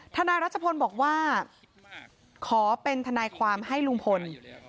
นายรัชพลบอกว่าขอเป็นทนายความให้ลุงพล